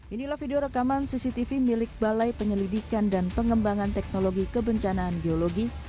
inilah video rekaman cctv milik balai penyelidikan dan pengembangan teknologi kebencanaan geologi